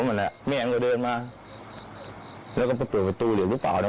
เมียเองก็เดินมา